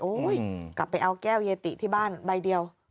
กลับไปเอาแก้วเยติที่บ้านใบเดียว